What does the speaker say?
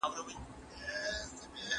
زه به ستا لپاره د کابل نه یوه ډالۍ راوړم.